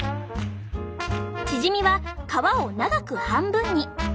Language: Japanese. チヂミは皮を長く半分に。